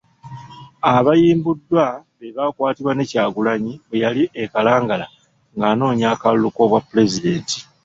Abaayimbuddwa be baakwatibwa ne Kyagulanyi bwe yali e Kalangala ng’anoonya akalulu k’obwa pulezidenti.